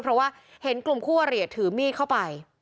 เพราะว่าเห็นกลุ่มคู่อริยถือมีดเข้าไป